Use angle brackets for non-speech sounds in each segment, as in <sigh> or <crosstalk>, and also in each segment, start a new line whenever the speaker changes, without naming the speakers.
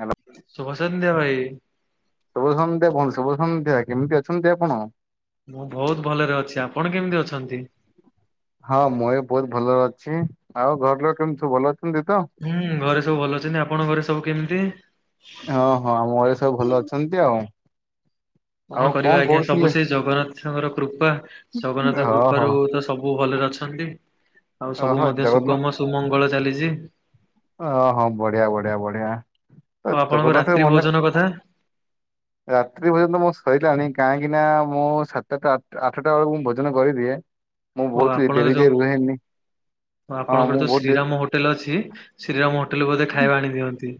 ହାଲ
ଶୁଭସନ୍ଧ୍ୟା ଭାଇ
ଶୁଭ ସନ୍ଧ୍ୟା ବନ୍ଧୁ ଶୁଭ ସନ୍ଧ୍ୟା, କେମିତି ଅଛନ୍ତି ଆପଣ?
ମୁଁ ବହୁତ ଭଲରେ ଅଛି, ଆପଣ କେମିତି ଅଛନ୍ତି?
ହଁ ମୁଁ ବି ବହୁତ ଭଲରେ ଅଛି ଆଉ ଘର ଲୋକ କେମିତି ସବୁ ଭଲ ଅଛନ୍ତି ତ
ହୁଁ ଘରେ ସବୁ ଭଲ ଅଛନ୍ତି ଆପଣଙ୍କ ଘରେ ସବୁ କେମିତି
ହଁ ହଁ ଆମ ଘରେ ସବୁ ଭଲ ଅଛନ୍ତି ଆଉ
କଣ
ଆଉ
କରିବା ଆଜ୍ଞା ସବୁ
କରୁଥିଲେ?
ସେ ଜଗନ୍ନାଥଙ୍କର କୃପା ଜଗନ୍ନାଥଙ୍କ
ହଁ
କୃପାରୁ
ହଁ
ତ ସବୁ ଭଲରେ ଅଛନ୍ତି ଆଉ ସବୁ
ଓହୋ
ମଧ୍ୟ
ଜଗନ୍ନା
ସୁଗମ ସୁମଙ୍ଗଳ ଚାଲିଛି
ଅ ହଁ ବଢିଆ ବଢିଆ <unintelligible> ମାନେ
ସତ କଥା
ରାତ୍ରି ଭୋନ ତ ମୋ ସଇଲାଣି କାହିଁକି ନା ମୁଁ ସାତଟା ଆଠଟା ବେଳକୁ ମୁଁ ଭୋଜନ କରିଦିଏ ମୁଁ
ଓ
ବହୁତ
ଆପଣଙ୍କ
ଡେରି
ଯୋଉ
ଯାଏ ରୁହେନି ହଁ
ଆପଣଙ୍କର
ମୁଁ
ଯୋଉ
ବହୁତ
ଶ୍ରୀରାମ
ଡେରି
ହୋଟେଲ ଅଛି ଶ୍ରୀରାମ ହୋଟେଲରୁ ବୋଧେ ଖାଇବା ଆଣି ଦିଅନ୍ତି।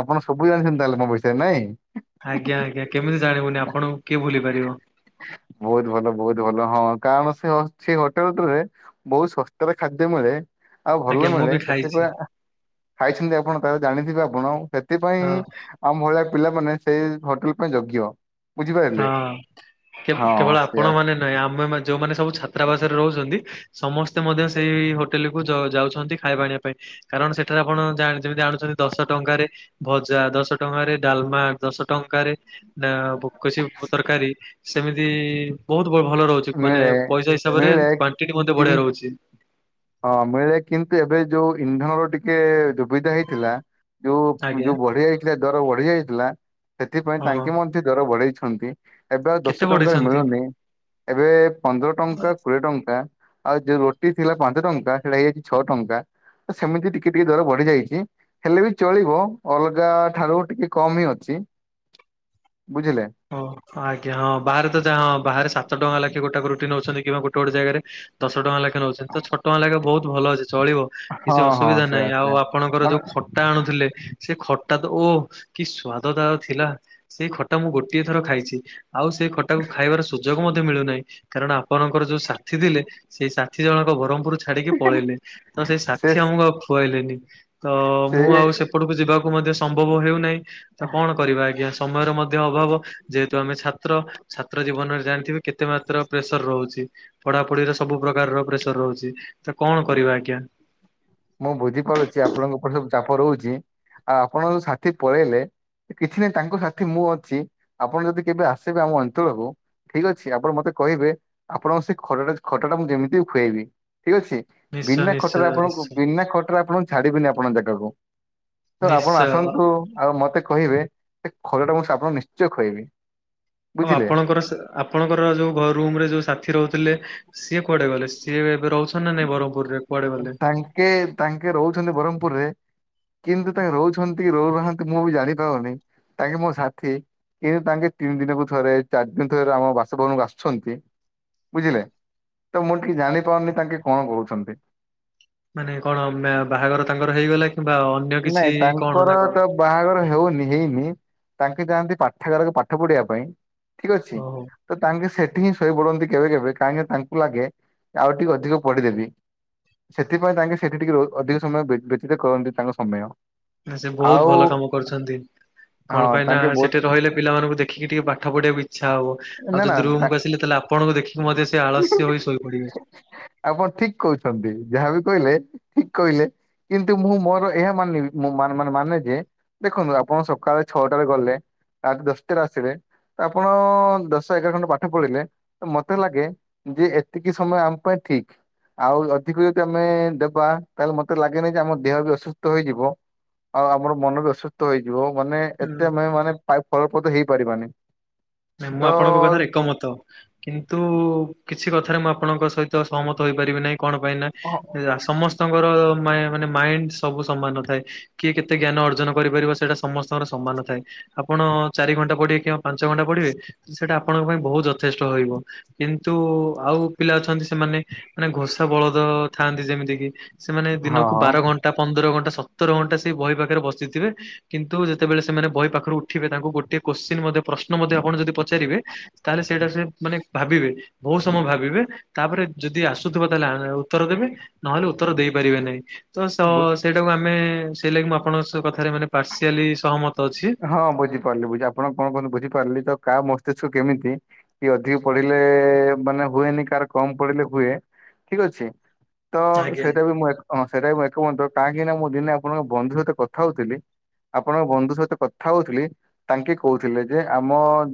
ଆପଣ ସବୁ ଜାଣିଛନ୍ତି ତାହେଲେ ମୋ ବିଷୟରେ ନାଇଁ?
ଆଜ୍ଞା ଆଜ୍ଞା କେମିତି ଜାଣିବୁନି ଆପଣଙ୍କୁ କିଏ ଭୁଲି ପାରିବ।
ବହୁତ ଭଲ ବହୁତ ଭଲ ହଁ କାରଣ ସେ ଅଛି ହୋଟେଲରେ ବହୁତ ଶସ୍ତାରେ ଖାଦ୍ୟ ମିଳେ। ଆଉ ଭଲ
ଆଜ୍ଞା ମୁଁ
ମିଳେ
ବି ଖାଇଛି
ସେଥିପାଇଁ ଖାଇଛନ୍ତି ଆପଣ ତ ଜାଣିଥିବେ ଆପଣ
ହଁ
ସେଥିପାଇଁଁ ଆମ ଭଳିଆ ପିଲା ମାନେ ସେଇ ହୋଟେଲ ପାଇଁ ଯୋଗ୍ୟ ବୁଝିପାରିଲେ
ହଁ
ହଁ
କେବଳ ଆପଣ
ସେଆ
ମାନେ ନାଇଁ ଆମେ ଯୋଉମାନେ ସବୁ ଛାତ୍ରାବାସରେ ରହୁଛନ୍ତି ସମସ୍ତେ ମଧ୍ୟ ସେଇ ହୋଟେଲ କୁ ଯାଉଛନ୍ତି ଖାଇବା ଆଣିବା ପାଇଁ କାରଣ ସେଠାରେ ଆପଣ ଯାଣୁ ଯାଣୁଛନ୍ତି ଦଶ ଟଙ୍କାରେ ଭଜା ଦଶ ଟଙ୍କାରେ ଡାଲମା, ଦଶ ଟଙ୍କାରେ ନା <unintelligible> ତରକାରୀ ସେମିତି ବହୁତ ଭଲ ରହୁଛି। ମାନେ
ମିଳେ
ପଇସା ହିସାବରେ
ମିଳେ
କ୍ଵାଣ୍ଟିଟି ମଧ୍ୟ
କି
ବଢିଆ ରହୁଛି।
ହଁ ମିଳେ କିନ୍ତୁ ଏବେ ଯୋଉ ଇନ୍ଧନର ଟିକେ ଦୁବିଧା ହେଇଥିଲା ଯୋଉ
ଆଜ୍ଞା
ଯୋଉ ବଢି ଯାଇଥିଲା ଦର ବଢି ଯାଇଥିଲା ସେଥିପାଇଁ
ହଁ
ତାଙ୍କେ ମଧ୍ୟ ଦର ବଢେଇଛନ୍ତି। ଏବେ ଆଉ
କେତେ
ଦଶ ଟଙ୍କାରେ
ବଢେଇଛନ୍ତି?
ମିଳୁନି। ଏବେ ପନ୍ଦର ଟଙ୍କା କୋଡିଏ ଟଙ୍କା ଆଉ ଯୋଉ ରୋଟି ଥିଲା <inaudible> ପାଞ୍ଚ ଟଙ୍କା ସେଇଟା ହେଇଯାଇଛି ଛଅ ଟଙ୍କା ତ ସେମିତି ଟିକେ ଟିକେ ଦର ବଢିଯାଇଛି। ହେଲେ ବି ଚଳିବ ଅଲଗା ଠାରୁ ଟିକେ କମ୍ ହିଁ ଅଛି ବୁଝିଲେ।
ଓ ଆଜ୍ଞା ହଁ ବାହାରେ ତ ଯାହା ହଁ ବାହାରେ ସାତ ଟଙ୍କା ଲେଖେ ଗୋଟା ରୁଟି ନଉଛନ୍ତି କିମ୍ବା ଗୋଟେ ଗୋଟେ ଜାଗାରେ ଦଶ ଟଙ୍କା ଲେଖା ନେଉଛନ୍ତି ତ ଛଅ ଟଙ୍କା ଲେଖେ ବହୁତ ଭଲ ଅଛି ଚଳିବ।
ହଁ
କିଛି
ହଁ
ଅସୁବିଧା ନାହିଁ
ସେୟା
ଆଉ
ସେୟା
ଆପଣଙ୍କର
ମାନେ
ଯୋଉ ଖ ଖଟା ଆଣୁଥିଲେ ସେ ଖଟା ତ ଓ କି ସ୍ଵାଦ ତାର ଥିଲା ସେଇ ଖଟା ମୁଁ ଗୋଟେ ଥର ଖାଇଛି ଆଉ ସେଇ ଖଟାକୁ ଖାଇବାର ସୁଯୋଗ ମଧ୍ୟ ମିଳୁନାହିଁ। କାରଣ ଆପଣଙ୍କର ଯୋଉ ସାଥି ଥିଲେ ସେଇ ସାଥି ଜଣକ ବରମ୍ପୁର <inaudible> ଛାଡିକି ପଳେଇଲେ ତ ସେଇ
ସେ
ସାଥି ଆମକୁ ଆଉ ଖୁଆଇଲେନି ତ ମୁଁ ଆଉ ସେ ସେପଟକୁ ଯିବାକୁ ମଧ୍ୟ ସମ୍ଭବ ହେଉନାହିଁ ତ କଣ କରିବା ଆଜ୍ଞା ସମୟର ମଧ୍ୟ ଅଭାବ। ଯେହେତୁ ଆମେ ଛାତ୍ର ଛାତ୍ର ଜୀବନରେ ଜାଣିଥିବେ କେତେ ମାତ୍ର ପ୍ରେସର ରହୁଛି। ପଢାପଢିରେ ସବୁ ପ୍ରକାରର ପ୍ରେସର ରହୁଛି ତ କଣ କରିବା ଆଜ୍ଞା।
ମୁଁ ବୁଝିପାରୁଛି ଆପଣଙ୍କ ଉପରେ ସବୁ ଚାପ ରହୁଛି ଆଉ ଆପଣ ଯୋଉ ସାଥି ପଳେଇଲେ କିଛି ନାହିଁ ତାଙ୍କ ସାଥି ମୁଁ ଅଛି ଆପଣ ଯଦି କେବେ ଆସିବେ ଆମ ଅଞ୍ଚଳକୁ ଠିକ ଅଛି ଆପଣ ମତେ କହିବେ ଆପଣଙ୍କ ସେ ଖଟା ଖଟଟା ମୁଁ ଯେମିତି ହୋଉ ଖୁଆଇବି ଠିକ ଅଛି।
ନିଶ୍ଚୟ
ବିନା ଖଟାରେ
ନିଶ୍ଚୟ
ଆପଣଙ୍କୁ
ନିଶ୍ଚୟ।
ବିନା ଖଟାରେ ଆପଣଙ୍କୁ ଛାଡ଼ିବିନି ଆପଣ ଜାଗାକୁ ତ ଆପଣ
ନିଶ୍ଚୟ
ଆସନ୍ତୁ ଆଉ ମତେ କହିବେ ସେ ଖଟା ଟା ମୁଁ ସେ ଆପଣଙ୍କୁ ନିଶ୍ଚୟ ଖୁଇବି।
ଆଉ ଆପଣଙ୍କର ସେ ଆପଣଙ୍କର ଯୋଉ ଘ ରୁମ୍ ରେ ଯୋଉ ସାଥି ରହୁଥିଲେ ସିଏ କୁଆଡେ ଗଲେ ସିଏ ଏବେ ରହୁଚନ୍ତି ନା ନାଇ ବ୍ରହ୍ମପୁରରେ? କୁଆଡେ ଗଲେ?
ତାଙ୍କେ ତାଙ୍କେ ରହୁଚନ୍ତି ବ୍ରହ୍ମପୁରୁ ରେ କିନ୍ତୁ ତାଙ୍କେ ରହୁଛନ୍ତି କି ରହୁନାହାନ୍ତି ମୁଁ ବି ଜାଣିପାରୁନି ତାଙ୍କେ ମୋ ସାଥି କିନ୍ତୁ ତାଙ୍କେ ତିନି ଦିନକୁ ଥରେ ଚାରି ଦିନ ଥରେ ଆମ ବାସଭବନକୁ ଆସୁଛନ୍ତି। ବୁଝିଲେ ତ ମୁଁ ଟିକେ ଜାଣି ପାରୁନି ତାଙ୍କେ କଣ କହୁଛନ୍ତି।
ମାନେ କଣ ମା ବାହାଘର ତାଙ୍କର ହେଇଗଲା କିମ୍ବା ଅନ୍ୟ
ନାଇଁ
କିଛି କଣ
ତାଙ୍କର
ନା କଣ?
ତ ବାହାଘର ହୋଉନି ହେଇନି ତାଙ୍କେ ଯାଆନ୍ତି ପାଠାଗାରକୁ ପାଠ ପଢିବା ପାଇଁ। ଠିକ ଅଛି।
ଓହୋ।
ତ ତାଙ୍କେ ସେଠି ହିଁ ଶୋଇ ପଡନ୍ତି କେବେ କେବେ କାହିଁକି ତାଙ୍କୁ ଲାଗେ ଆଉ ଟିକେ ଅଧିକ ପଢିଦେବି। ସେଥିପାଇଁ ତାଙ୍କେ ସେଠି ଟିକେ ରୋ ଅଧିକ ସମୟ ବି ବ୍ୟତୀତ କରନ୍ତି ତାଙ୍କ ସମୟ।
ନା ସେ ବହୁତ
ଆଉ
ଭଲ କାମ କରୁଚନ୍ତି
ହଁ
କଣ ପାଇଁ ନା
ତାଙ୍କେ ବହୁତ
ସେଠି ରହିଲେ ପିଲାମାନଙ୍କୁ ଦେଖିକି ଟିକେ ପଢ଼ ପାଠ ପଢିବାକୁ ଇଛା ହେବ
ନା
ଆଉ
ନା
ଯଦି ରୁମକୁ
ତା-
ଆସିଲେ ତାହେଲେ ଆପଣଙ୍କୁ ଦେଖିକି ମଧ୍ୟ ସେ ଆଳସ୍ୟ ହୋଇ ଶୋଇ ପଡିବେ।
ଆପଣ ଠିକ କହୁଚନ୍ତି ଯାହାବି କହିଲେ ଠିକ କହିଲେ। କିନ୍ତୁ ମୁଁ ମୋର ଏହା ମାନି ମା ମା ମାନେ ଯେ ଦେଖନ୍ତୁ ଆପଣ ସକାଳେ ଛଅଟାରେ ଗଲେ ଆଟ ଦଶଟାରେ ଆସିବେ ତ ଆପଣ ଦଶ ଏଗାର ଘଣ୍ଟା ପାଠ ପଢିଲେ ତ ମତେ ଲାଗେ ଯେ ଏତିକି ସମୟ ଆମ ପାଇଁ ଠିକ। ଆଉ ଅଧିକ ଯଦି ଆମେ ଦେବା ତାହେଲେ ମତେ ଲାଗେନିକି ଯେ ଆମ ଦେହ ବି ଅସୁସ୍ଥ ହେଇଯିବ। ଆଉ ଆମର ମନ ବି ଅସୁସ୍ଥ ହେଇଯିବ ମାନେ
ହୁଁ
ଏତେ ଆମେ ମାନେ ପାଇ ଫଳପ୍ରଦ ହେଇପାରିବାନି।
ନାଇଁ
ତ
ମୁଁ ଆପଣଙ୍କ କଥାରେ ଏକମତ କିନ୍ତୁ କିଛି କଥାରେ ମୁଁ ଆପଣଙ୍କ ସହିତ ତ ସହମତ ହୋଇପାରିବି ନାହିଁ କଣ ପାଇଁ ନା
ହଁ
ସମସ୍ତ ସମସ୍ତଙ୍କର ମା ମାନେ ମାଇଣ୍ଡ ସବୁ ସମାନ ନଥାଏ। କିଏ କେତେ ଜ୍ଞାନ ଅର୍ଜନ କରିପାରିବ ସେଇଟା ସମସ୍ତଙ୍କର ସମାନ ନଥାଏ। ଆପଣ ଚାରି ଘଣ୍ଟା ପଢିବେ କିମ୍ବା ପାଞ୍ଚ ଘଣ୍ଟା ପଢିବେ ସେଇଟା ଆପଣଙ୍କ ପାଇଁ ବହୁତ ଯଥେଷ୍ଟ ରହିବ। କିନ୍ତୁ ଆଉ ପିଲା ଅଛନ୍ତି ସେମାନେ ମାନେ ଘୋଷା ବଳଦ ଥାଆନ୍ତି ଯେମିତି କିି ସେମାନେ ଦିନକୁ ବାର
ହଁ
ଘଣ୍ଟା ପନ୍ଦର ଘଣ୍ଟା ସତର ଘଣ୍ଟା ସେଇ ବହି ପାଖରେ ବସିଥିବେ କିନ୍ତୁ ଯେତେବେଳେ ସେମାନେ ବହି ପାଖରୁ ଉଠିବେ ତାଙ୍କୁ ଗୋଟିଏ କୋଶ୍ଚିନ୍ ମଧ୍ୟ ପ୍ରଶ୍ନ ମଧ୍ୟ ଆପଣ ଯଦି ପଚାରିବେ ତାହେଲେ ସେଇଟା ସେ ମାନେ ଭାବିବେ ବହୁତ ସମୟ ଭାବିବେ ତାପରେ ଯଦି ଆସୁଥିବ ତାହେଲେ ଆଣ ଉତ୍ତର ଦେବେ ନହେଲେ ଉତ୍ତର ଦେଇପାରିବେ ନାହିଁ ତ ସସ୍ ସେଇଟାକୁ ଆମେ ସେଇ ଲାଗି ମୁଁ ଆପଣଙ୍କ କଥାରେ ମାନେ ପାର୍ସିଆଲି ସହମତ ଅଛି।
ହଁ ବୁଝିପାରିଲି ବୁଝି ଆପଣ କଣ କୁହନ୍ତୁ ବୁଝିପାରିଲି ତ କାହା ମସ୍ତିଷ୍କ କେମିତି କି ଅଧିକ ପଢିଲେ ମାନେ ହୁଏନି କାହାର କମ୍ ପଢିଲେ ହୁଏ ଠିକ ଅଛି। ତ
ଆଜ୍ଞା
ସେଇଟା ବି ମୁଁ ଏକ ହଁ ସେଇଟା ବି ଏକମତ କାହିଁକିନା ମୁଁ ଦିନେ ଆପଣଙ୍କ ବନ୍ଧୁ ସହିତ କଥା ହଉଥିଲି ଆପଣଙ୍କ ବନ୍ଧୁ ସହିତ କଥା ହଉଥିଲି ତାଙ୍କେ କହୁଥିଲେ ଯେ ଆମ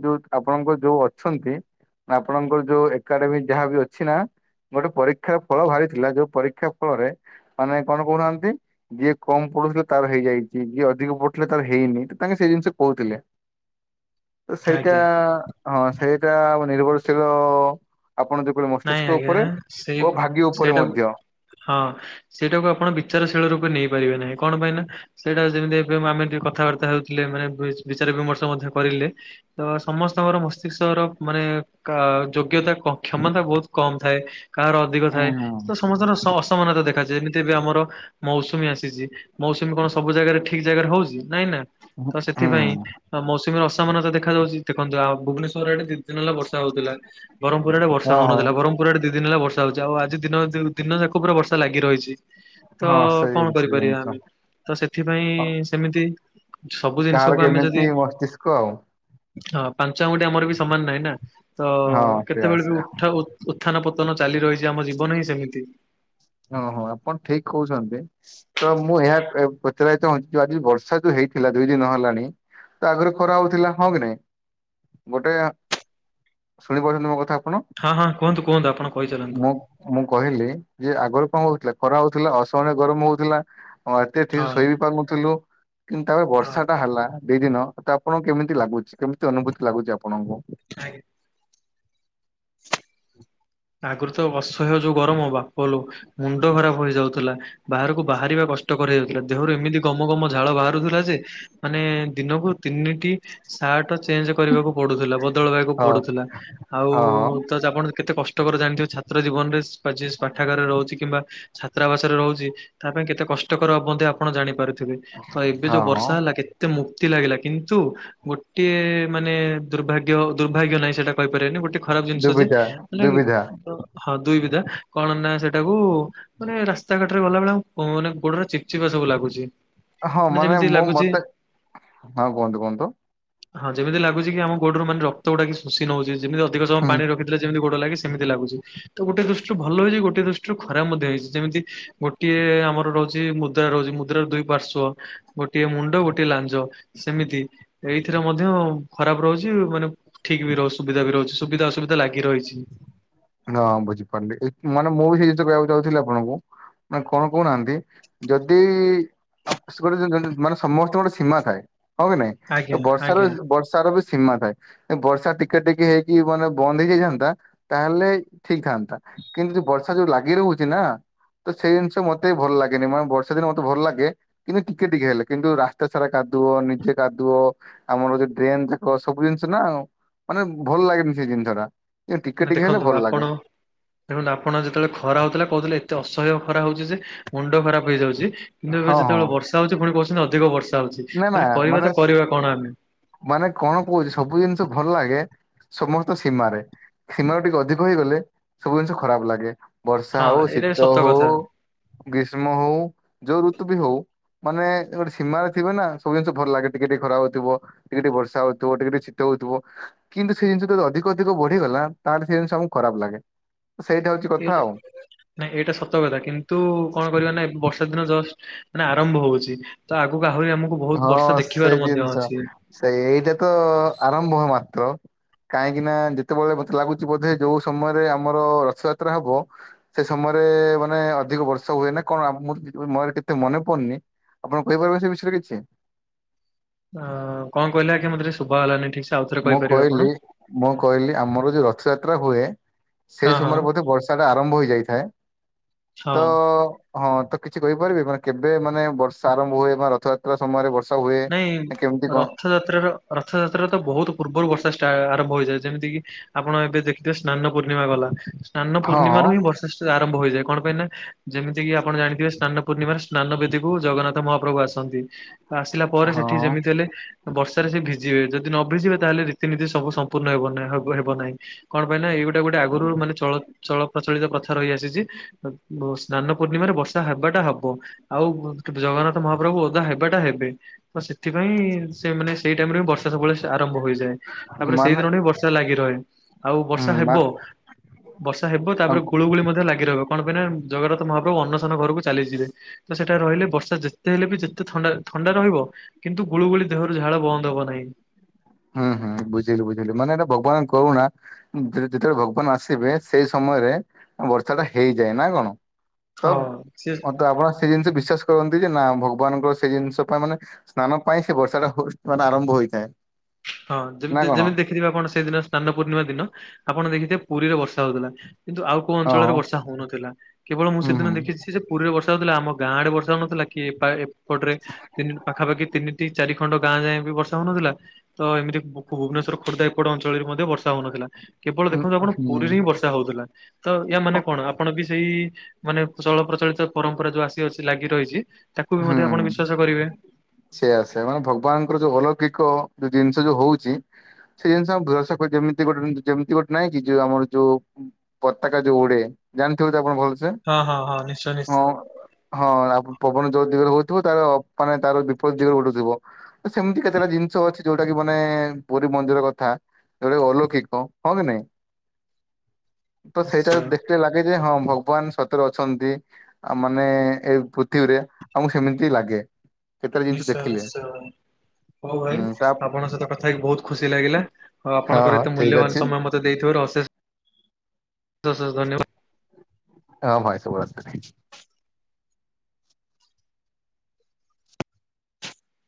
ଯୋଉ ଆପଣଙ୍କ ଯୋଉ ଅଛନ୍ତି ଆପଣଙ୍କର ଯୋଉ ଏକାଡେମି ଯାହା ବି ଅଛି ନା ଗୋଟେ ପରୀକ୍ଷାର ଫଳ ବାହାରିଥିଲା ଯୋଉ ପରୀକ୍ଷା ଫଳରେ ମାନେ କଣ କହୁନାହାନ୍ତି ଯିଏ କମ୍ ପଡୁଥିଲେ ତାର ହେଇଯାଇଚି ଯିଏ ଅଧିକ ପଡୁଥିଲେ ତାର ହେଇନି। ତାଙ୍କେ ସେଇ ଜିନିଷ କହୁଥିଲେ ତ ସେଇଟା
ଆଜ୍ଞା
ହଁ ସେଇଟା ଆମ ନିର୍ଭରଶୀଳ ଆପଣ ଦେଖିବେ
ନାଇଁ
ମସ୍ତିଷ୍କ
ଆଜ୍ଞା
ଉପରେ
ସେଇ
ଓ ଭାଗ୍ୟ ଉପରେ
ସେଇଟାକୁ
ମଧ୍ୟ।
ହଁ। ସେଇଟାକୁ ଆପଣ ବିଚାରଶୀଳ ରୂପେ ନେଇପାରିବେ ନାହିଁ କଣ ପାଇଁ ନା ସେଇଟା ଯେମିତି ଏବେ ଆମେ ଟିକେ କଥାବାର୍ତ୍ତା ହେଉଚୁ ଥିଲେ ମାନେ ବି -ବିଚାରି ବିମର୍ଷ ମଧ୍ୟ। କରିଲେ ତ ସମସ୍ତଙ୍କର ମସ୍ତିଷ୍କର ମାନେ କା- ଯୋଗ୍ୟତା କ କ୍ଷମତା ବହୁତ୍ କମ୍ ଥାଏ କାହାର ଅଧିକ ଥାଏ ତ ସମସ୍ତଙ୍କର ସ- ଅସମାନତା ଦେଖାଯାଏ ଏମିତି ବି ଆମର ମୌସୁମୀ ଆସିଚି ମୌସୁମୀ କଣ ସବୁ ଜାଗାରେ ଠିକ୍ ଜାଗାରେ ହଉଚି ନାଇଁ ନା। ତ ସେଥିପାଇଁ ମୌସୁମୀ ଅସମାନତା ଦେଖା ଯାଉଚି ଦେଖନ୍ତୁ ଆଉ ଭୁବନେଶ୍ୱର ଆଡେ ଯେ ଦିନେ ହେଲା ବର୍ଷା ହଉଥିଲା ବ୍ରହ୍ମୁପୁର ଆଡେ ବର୍ଷା ବର୍ଷା ହଉନଥିଲା
ହୁଁ
ବ୍ରହ୍ମପୁର ଆଡେ ଦି ଦିନ ହେଲା ବର୍ଷା ହଉଚି ଆଉ ଆଜି ଦିନ- ଦିନଯାକ ପୁରା ବର୍ଷା ଲାଗି ରହିଚି। ତ
ହଁ ସେଇ
କଣ
ସେ
କରିପାରିବା
ଜିନିଷ
ଆମେ ତ ସେଥିପାଇଁ ସେମିତି ସବୁ
କାହାର
ଜିନିଷକୁ ଆମେ
କେମିତି
ଯଦି
ମସ୍ତିଷ୍କ ଆଉ।
ହଁ ପାଞ୍ଚ ଆଙ୍ଗୁଠି ଆମର ବି ସମାନ୍ ନାହିଁ ନା ତ
ହଁ ସେଇଆ
କେତେବେଳେ ବି
ସେଇଆ।
ହଉ ତ ଉ-ଉତ୍ଥାନ ପତନ ଚାଲି ରହିଚି ଆମ ଜୀବନ ହିଁ ସେମିତି।
ହଁ- ହଁ ଆପଣ ଠିକ୍ କହୁଚନ୍ତି। ତ ମୁଁ ଏହା କ-ପଚାରିବାକୁ ଚାହୁଁଚି ଯଉ ଆଜି ବର୍ଷା ଯଉ ହେଇଥିଲା ଦୁଇ ଦିନ ହେଲାଣି ତ ଆଗୁରୁ ଖରା ହଉଥିଲା ହଁ କି ନାଇଁ ଗୋଟେ ଆ ଶୁଣିପାରୁଚନ୍ତି ମୋ କଥା ଆପଣ?
ହଁ- ହଁ କୁହନ୍ତୁ -କୁହନ୍ତୁ ଆପଣ କହିଚାଲନ୍ତୁ।
ମୁଁ ମୁଁ କହିଲି ଯେ ଆଗରୁ କଣ ହଉଥିଲା ଖରା ହଉଥିଲା ଅସହାୟ ଗରମ୍ ହଉଥିଲା ହଁ ଏତେ ଠିକ୍ ଶୋଇ ବି ପାରୁନଥିଲୁ କିନ୍ତୁ ତାପରେ
ହଁ
ବର୍ଷା ଟା ହେଲା ଦି ଦିନ ତ ଆପଣଙ୍କୁ କେମିତି ଲାଗୁଚି କେମିତି ଅନୁଭୂତି ଲାଗୁଚି ଆପଣଙ୍କୁ?
ଆଜ୍ଞା।
ହ
ଆଗୁରୁ ତ ଅସହ୍ୟ ଯଉ ଗରମ ବାପ ଲ ମୁଣ୍ଡ ଖରାପ୍ ହେଇଯାଉଥିଲା। ବାହାରକୁ ବାହାରିବା କଷ୍ଟକର ଯାଉଥିଲା ଦେହରୁ ଏମିତି ଗମ ଗମ ଝାଳ ବାହାରୁଥିଲା ଯେ ମାନେ ଦିନକୁ ତିନିଟି ସାର୍ଟ ଚେଞ୍ଜୂ କରିବାକୁ ପଡୁଥିଲା ବଦଳେଇବାକୁ
ହଁ
ପଡୁଥିଲା ଆଉ
ହଁ ହଁ।
ତ ଆପଣ କେତେ କଷ୍ଟ୍ <unintelligible> ଜାଣିଥିବେ ଛାତ୍ର ଜୀବନରେ ସ୍ପାଚିସ୍ ପାଠାଗାରରେ ରହୁଚି କିମ୍ବା ଛାତ୍ରାବାସରେ ରହୁଚି ତା ପାଇଁ କେତେ କଷ୍ଟକର ବୋଧେ ଆ ଆପଣ ଜାଣିପାରୁଥିବେ ତ ଏବେ
ହଁ
ଯଉ
ହଁ
ବର୍ଷା ହେଲା କେତେ ମୁକ୍ତି ଲାଗିଲା କିନ୍ତୁ ଗୋଟିଏ ମାନେ ଦୁର୍ଭାଗ୍ୟ- ଦୁର୍ଭାଗ୍ୟ ନାହିଁ ସେଟା କହିପାରିବେନି ଗୋଟେ ଖରାପ ଜିନିଷ ଯେ
ଦୁବିଧା ଦୁବିଧା
ହଁ ଦୁଇ ବିଧା କଣ ନା ସେଟାକୁ ମାନେ ରାସ୍ତାଘାଟରେ ଗଲାବେଳେ ଆମକୁ କଣ୍ ନା ଗୋଡରେ ଚିପ୍ ଚିପା ସବୁ ଲାଗୁଚି।
ହଁ ମାନେ ମୁଁ ମତେ ହଁ କୁହନ୍ତୁ- କୁହନ୍ତୁ।
ହଁ ଯେମିତି ଲାଗୁଚି କି ଆମ ଗୋଡରୁ ମାନେ ରକ୍ତ ଗୁଡା କିଏ ଶୋଷି ନଉଚି ଯେମିତି ଅଧିକ ସମୟ
ହୁଁ
ପାଣିରେ ରଖିଥିଲେ ଯେମିତି ଗୋଡ ଲାଗେ ସେ ସେମିତି ଲାଗୁଚି ତ ଗୋଟେ ଦୃଷ୍ଟିରୁ ଭଲ ହେଇଚି ଗୋଟେ ଦୃଷ୍ଟିରୁ ଖରାପ ମଧ୍ୟ ହେଇଚି ଯେମିତି ଗୋଟିଏ ଆମର ରହୁଚି ମୁଦ୍ରା ରହୁଚି ମୁଦ୍ରାର ଦୁଇ ପାର୍ଶ୍ଵ ଗୋଟିଏ ମୁଣ୍ଡ ଗୋଟିଏ ଲାଞ୍ଜ ସେମିତି ଏଇଥିରେ ମଧ୍ୟ ଖରାପ୍ ରହୁଚି ମାନେ ଠିକ୍ ବି ରହୁଚି ସୁବିଧା ବି ରହୁଚି ସୁବିଧା ଅସୁବିଧା ଲାଗି ରହିଚି।
ହଁ ବୁଝିପାରିଲି ମାନେ ମୁଁ ବି ସେଇ ଜିନିଷ କହିବାକୁ ଚାହୁଁଥିଲି ଆପଣଙ୍କୁ ମାନେ କଣ କହୁନାହାନ୍ତି? ଯଦି <unintelligible> ମାନେ ସମସ୍ତଙ୍କର ସୀମା ଥାଏ। ହଁ କି ନାଇଁ
ଆଜ୍ଞା
ତ ବର୍ଷାର
ଆଜ୍ଞା
-ବର୍ଷାର ବି ସୀମା ଥାଏ ଯଦି ବର୍ଷା ଟିକେ ଟିକେ ହେଇକି ମାନେ ବନ୍ଦ ହେଇଯାଇଥାଆନ୍ତା। ତାହେଲେ ଠିକ୍ ଥାଆନ୍ତା କିନ୍ତୁ ବର୍ଷା ଯଉ ଲାଗି ରହୁଛି ନା ତ ସେଇ ଜିନିଷ ମତେବି ଭଲ ଲାଗେନି ମାନେ ବର୍ଷା ଦିନ ମତେ ଭଲ ଲାଗେ। କିନ୍ତୁ ଟିକେ ଟିକେ ହେଲେ କିନ୍ତୁ ରାସ୍ତା ସାରା କାଦୁଅ ନିଜେ କାଦୁଅ ଆମର ଯେଉ ଡ୍ରେନ୍ ଯାକ ସବୁ ଜିନିଷ ନାଁ ମାନେ ଭଲ ଲାଗେନି ସେଇ ଜିନିଷ ଟା। ଟିକେ
ମାନେ
ଟିକେ ହେଲେ
ଦେଖନ୍ତୁ
ଭଲ ଲାଗେ
ଆପଣ ଦେଖନ୍ତୁ ଆପଣ ଯେତେବେଳେ ଖରା ହଉଥିଲା କହୁଥିଲେ ଏତେ ଅସହ୍ୟ ଖରା ହଉଛି ଯେ ମୁଣ୍ଡ ଖରାପ ହେଇଯାଉଛି କିନ୍ତୁ
ହଁ
ଏବେ
ହଁ
ଯେତେବେଳେ ବର୍ଷା କଥା ହଉଛି ପୁଣି କହୁସୁନ୍ତି ପୁଣି ଅଧିକ ବର୍ଷା ହଉଛି
ନା ନା
ତାହେଲେ କରିବା ତ
ମାନେ
କରିବା କଣ ଆମେ।
ମାନେ କଣ କହୁଛି ସବୁ ଜିନିଷ ଭଲ ଲାଗେ ସମସ୍ତ ସୀମାରେ। ସୀମାରୁ ଟିକେ ଅଧିକ ହୋଇଗଲେ ସବୁ ଜିନିଷ ଖରାପ ଲାଗେ ବର୍ଷା
ହଁ
ହଉ
ଏଇଟା ବି
ଶୀତ
ସତ
ହଉ
କଥା
ଗ୍ରୀଷ୍ମ ହଉ ଯୋଉ ଋତୁ ବି ହଉ ମାନେ ଗୋଟେ ସୀମାଅଛି। ଥିବ ନା ସବୁ ଜିନିଷ ଭଲ ଲାଗେ ଟିକେ ଟିକେ ଖରା ହଉଥିବ ଟିକେ ଟିକେ ବର୍ଷା ହଉଥିବ ଟିକେ ଟିକେ ଶୀତ ହଉଥିବ। କିନ୍ତୁ ସେ ଜିନିଷ ଯଦି ଅଧିକ ଅଧିକ ବଢିଗଲା ତାହେଲେ ସେ ଜିନିଷ ଆମକୁ ଖରାପ ଲାଗେ। ସେଇଟା ହଉଛି। କଥା
ଏଟା
ଆଉ।
ନାଇଁ ଏଇଟା ସତ କଥା କିନ୍ତୁ କଣ କରିବା ନା ବର୍ଷ ସେଦିନ ଜଷ୍ଟ ଆନେ ଆରମ୍ଭ ହଉଛି ତ ଆଗକୁ ଆହୁରି ଆମକୁ ବହୁତ
ହଁ
ବର୍ଷା ଦେଖିବାର
ସେଇ
ମଧ୍ୟ
ଜିନିଷ
ଅଛି।
ସେଇଟା ତ ଆରମ୍ଭ ମାତ୍ର। କାହିଁକି ନା ଯେତେବେଳେ ମତେ ଲାଗୁଛି ବୋଧେ ଯଉ ସମୟରେ ଆମର ରଥଯାତ୍ରା ହବ। ସେ ସମୟରେ ମାନେ ଅଧିକ ବର୍ଷା ହୁଏ ନା କଣ ଆମ ମର କେତେ ମନେ ପଡୁନି ଆପଣ କହିପାରିବେ ସେ ବିଷୟରେ କିଛି?
ଅ କଣ କହିଲେ ଆଜ୍ଞା ମତେ ଟିକେ ଶୁଭାଗଲାନି ଠିକ୍ ସେ ଆଉଥରେ
ମୁଁ
କହିପାରିବେ ଆପଣ?
କହିଲି ମୁଁ କହିଲି ଆମର ଯଉ ରଥଯାତ୍ରା ହୁଏ ସେଇ
ହଁ ହଁ
ସମୟରେ ବୋଧେ ବର୍ଷା ଟା ଆରମ୍ଭ ହୋଇଯାଇଥାଏ
ହଁ।
ତ ହଁ ତ କିଛି କହିପାରିବେ ମାନେ କେବେ ମାନେ ବର୍ଷା ଆରମ୍ଭ ହୁଏ ବା ରଥଯାତ ସେ ସମୟରେ ବର୍ଷା ହୁଏ?
ନାଇଁ
କେମିତି କଣ
ରଥଯାତ୍ରାର ରଥଯାତ୍ରା ତ ବହୁତ ପୂର୍ବରୁ ବର୍ଷା ଷ୍ଟା ଆରମ୍ଭ ହୋଇଯାଏ ଯେମିତି କିି ଆପଣ ଏବେ ଦେଖିଥିବେ ସ୍ନାନ ପୂର୍ଣ୍ଣିମା ଗଲା ସ୍ନାନ
ହଁ ହଁ
ପୂର୍ଣ୍ଣିମାରୁ ହିଁ ବର୍ଷା ଆରମ୍ଭ ହୋଇଯାଏ କଣ ପାଇଁ ନା ଯେମିତି କିି ଆପଣ ଜାଣିଥିବେ ସ୍ନାନ ପୂର୍ଣ୍ଣିମାରେ ସ୍ନାନ ବେଦିକୁୁ ଜଗନ୍ନାଥ ମହାପ୍ରଭୁ ଆସନ୍ତି। ତ ଆସିଲା ପରେ ସେଠିକି
ହଁ
ଯେମିତି ହେଲେ। ବର୍ଷାରେ ସେ ଭିଜିବେ ଯଦି ନ ଭିଜିବେ ତାହେଲେ ରୀତିନୀତି ସବୁ ସମ୍ପୂର୍ଣ୍ଣ ହେବ ହେବ ନାହିଁ। କଣ ପାଇଁ ନା ଏଇଗୋଟେ ଗୋଟେ ଆଗରୁ ମାନେ ଚଳ ଚଳ ପ୍ରଚଳିତ ପ୍ରଥା ରହିଆସିଛି। ସ୍ନାନ ପୂର୍ଣ୍ଣିମାରେ ବର୍ଷା ହେବାଟା ହେବ। ଆଉ ଜଗନ୍ନାଥ ମହାପ୍ରଭୁ ଓଦା ହେବାଟା ହେବେ। ତ ସେଥିପାଇଁ ସେ ମାନେ ସେଇଟାଇମ୍ ରେ ବର୍ଷା ସବୁବେଳେ ଆରମ୍ଭ ହୋଇଯାଏ। ତାପରେ
ମାନେ
ସେଇଦିନଠୁ ହିଁ ବର୍ଷା ଲାଗି ରହେ ଆଉ
ହୁଁ
ବର୍ଷା ହେବ।
ମା
ବର୍ଷା ହେବ ତାପରେ ଗୁଳୁଗୁଳି ମଧ୍ୟ ଲାଗି ରହିବ କଣ ପାଇଁ ନା ଜଗନ୍ନାଥ ମହାପ୍ରଭୁ ଅନ୍ନଶନ ଘରକୁ ଚାଲିଯିବେ। ତ ସେଟା ରହିଲେ ବର୍ଷା ଯେତେ ହେଲେ ବି ଯେତେ ଥଣ୍ଡା ଥ ଥଣ୍ଡା ରହିବ କିନ୍ତୁ ଗୁଳୁଗୁଳି ଦେହରୁ ଝାଳ ବନ୍ଦ ହବ ନାହିଁ।
ହୁଁ ହୁଁ ବୁଝିଲି ବୁଝିଲି ମାନେ ଏଇଟା ଭଗବାନଙ୍କ କରୁଣା। ଯେ ଯେତେବେଳେ ଭଗବାନ ଆସିବେ ସେଇ ସମୟରେ ବର୍ଷା ଟା ହେଇଯାଏ ନା କଣ। ତ
ହଁ ସେ
ତେ ଆପଣ ସେ ଜିନିଷ ବିଶ୍ଵାସ କରନ୍ତି ଯେ, ନା ଭଗବାନଙ୍କ ସେଇ ଜିନିଷ ପାଇଁ ମାନେ ସ୍ନାନ ପାଇଁ ସେ ବର୍ଷା ଟା ମାନେ ଆରମ୍ଭ ହୋଇଥାଏ।
ହଁ,
ନା
ଯେମିତି
କଣ?
ଯେମିତି ଦେଖିଥିବେ ଆପଣ ସେଦିନ ସ୍ନାନ ପୂର୍ଣ୍ଣିମା ଦିନ ଆପଣ ଦେଖିଥିବେ ପୁରୀରେ ବର୍ଷା ହୋଉଥିଲା। କିନ୍ତୁ ଆଉ କୋଉ
ହଁ
ଅଞ୍ଚଳରେ ବର୍ଷା ହୋଉନଥିଲା, କେବଳ ମୁଁ
ହୁଁ
ସେଦିନ
ହୁଁ
ଦେଖିଛି ଯେ ପୁରୀରେ ବର୍ଷା ହଉଥିଲା, ଆମ ଗାଁ ଆଡ଼େ ବର୍ଷା ହଉନଥିଲା, କି ଏପା ଏପଟରେ ତିନି ପାଖାପାଖି ତିନିଟି। ଚାରିଖଣ୍ଡ ଗାଁ ଯାଏଁ ବି ବର୍ଷା ହଉନଥିଲା, ତ ଏମିତି ଭୁ ଭୁବନେଶ୍ୱର ଖୋର୍ଦ୍ଧା ଏପଟ ଅଞ୍ଚଳରେ ମଧ୍ୟ ବର୍ଷ ବର୍ଷା ହଉନଥିଲା, କେବଳ
ହୁଁ
ଦେଖନ୍ତୁ ଆପଣ
ହୁଁ
ପୁରୀରେ ହିଁ ବର୍ଷା ହଉଥିଲା। ତ ୟା ମାନେ କଣ? ଆପଣ ବି ସେଇ ମାନେ ଚଳ ପ୍ରଚଳିତ ପରମ୍ପରା ଯୋଉ ଆସି ଅଛି ଲାଗି ରହିଛି, ତାକୁ ବି ମଧ୍ୟ ଆପଣ ବିଶ୍ୱାସ କରିବେ?
ସେଇଆ ସେଇଆ ମାନେ ଭଗବାନଙ୍କର ଯୋଉ ଅଲୌକିକ ଯୋଉ ଜିନିଷ ଯୋଉ ହଉଚି। ସେଇ ଜିନିଷ ଆମେ ବିଶ୍ବାସ ଯେମିତି ଗୋଟେ ଯେମିତି ଗୋଟେ ନାଇଁକି ଜେ ଆମର ଜୋଉ। ପତାକା ଯୋଉ ଉଡ଼େ ଜାଣିଥିବ ତ ଆପଣ ଭଲ ସେ।
ହଁ ହଁ ହଁ, ନିଶ୍ଚୟ ନିଶ୍ଚିୟ।
ହଁ, ଆ ପବନ ଯୋଉ ଦିଗରେ ହଉଥିବ। ତାର ଅପ ମାନେ ତାର ବିପରୀତ ଦିଗରେ ଉଡ଼ୁଥିବ। ସେମିତି କେତେଟା ଜିନିଷ ଅଛି। ଯୋଉଟା କି ମାନେ ପୁରୀ ମନ୍ଦିର କଥା, ଯୋଉଟା କି ଅଲୌକିକ ହଁ କି ନାଇଁ। ତ ସେଇଟା
ନିଶ୍ଚୟ
ଦେଖିଲେ ଲାଗେ ଯେ ହଁ ଭଗବାନ ସତରେ ଅଛନ୍ତି। ଆ ମାନେ ଏଇ ପୃଥିବୀରେ ଆମକୁ ସେମିତି ହିଁ ଲାଗେ। କେତେଟା ଜିନିଷ
ନିଶ୍ଚୟ
ଦେଖିଲେ।
ନିଶ୍ଚୟ। ହଉ ଭାଇ
ହୁଁ ତା
ଆପଣଙ୍କ ସହିତ କଥା ହେଇକି ବହୁତ ଖୁସି ଲାଗିଲା। ଆଉ
ହଁ
ଆପଣଙ୍କର
ହଁ
ଏତେ
ଠିକ
ମୂଲ୍ୟବାନ
ଅଛି
ସମୟ ମତେ। ଦେଇଥିବାରୁ ଅଶେଷ ଅଶେଷ ଧନ୍ୟବାଦ।
ହଁ ଭାଇ ଶୁଭରାତ୍ରି।